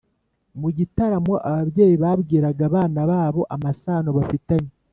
mu gitaramo ababyeyi babwiraga abana babo amasano bafitanye